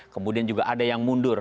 kemudian juga ada yang mundur